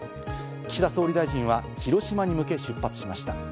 岸田総理大臣は広島に向け、出発しました。